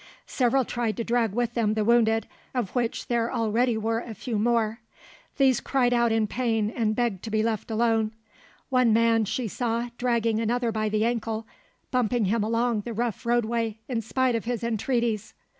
Several tried to drag with them the wounded, of which there already were a few more; these cried out in pain and begged to be left alone. One man, she saw, dragging another by the ankle, bumping him along the rough roadway in spite of his entreaties.